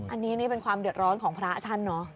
อันนี้นี่เป็นความเดือดร้อนของพระท่านเนอะ